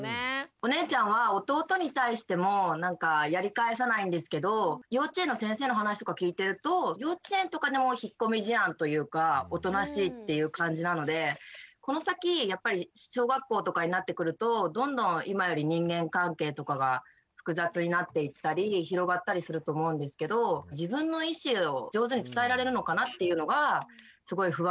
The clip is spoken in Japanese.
お姉ちゃんは弟に対してもなんかやり返さないんですけど幼稚園の先生の話とか聞いてると幼稚園とかでも引っ込み思案というかおとなしいっていう感じなのでこの先やっぱり小学校とかになってくるとどんどん今より人間関係とかが複雑になっていったり広がったりすると思うんですけど自分の意思を上手に伝えられるのかなっていうのがすごい不安なので。